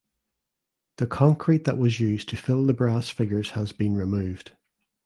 The concrete that was used to fill the brass figures has been removed.